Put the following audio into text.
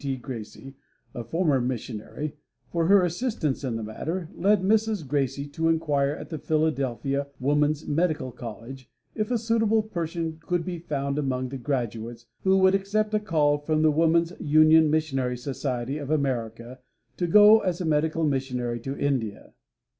T. Gracey, a former missionary, for her assistance in the matter, led Mrs. Gracey to inquire at the Philadelphia Woman's Medical College if a suitable person could be found among the graduates, who would accept a call from the Woman's Union Missionary Society of America to go as a medical missionary to India.